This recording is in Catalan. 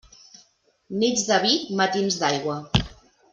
Nits de vi, matins d'aigua.